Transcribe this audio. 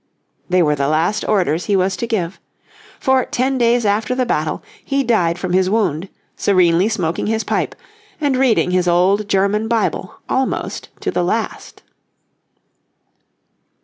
They were the last orders he was to give. For, ten days after the battle he died from his wound, serenely smoking his pipe, and reading his old German Bible almost to the last.